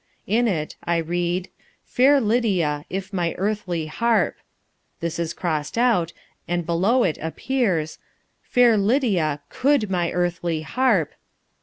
In it I read: "Fair Lydia, if my earthly harp." This is crossed out, and below it appears, "Fair Lydia, COULD my earthly harp."